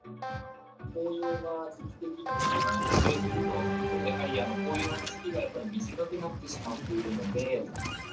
紅葉が時期的にちょっと遅れているということは、紅葉の時期がやっぱり短くなってしまっているので。